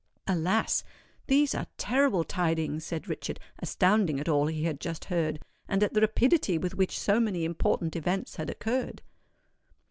"Alas! these are terrible tidings," said Richard, astounded at all he had just heard, and at the rapidity with which so many important events had occurred.